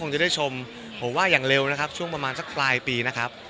จะได้ชมผมว่าอย่างเร็วนะครับช่วงประมาณสักปลายปีนะครับ